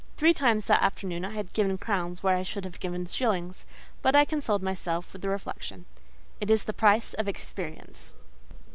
Three times that afternoon I had given crowns where I should have given shillings; but I consoled myself with the reflection, "It is the price of experience."